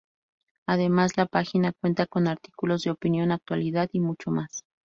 Además, la página cuenta con artículos de opinión, actualidad y mucho más.